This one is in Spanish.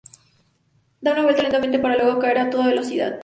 Da una vuelta lentamente para luego caer a toda velocidad.